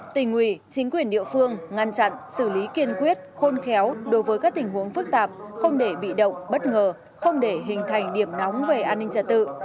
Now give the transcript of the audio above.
tỉnh ủy chính quyền địa phương ngăn chặn xử lý kiên quyết khôn khéo đối với các tình huống phức tạp không để bị động bất ngờ không để hình thành điểm nóng về an ninh trật tự